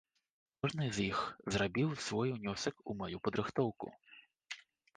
Кожны з іх зрабіў свой унёсак у маю падрыхтоўку!